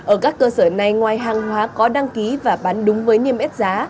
ở các cơ sở này ngoài hàng hóa có đăng ký và bán đúng với niêm yết giá